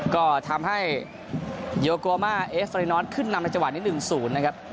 ก็ทำให้โยโกมาเอฟเรนอนขึ้นนำในจังหวะนี้๑๐นะครับ